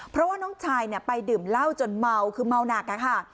เพราะว่าน้องชายไปดื่มเหล้าจนเมาคือเมาหนักค่ะ